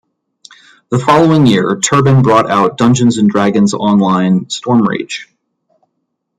The following year Turbine brought out "Dungeons and Dragons Online: Stormreach".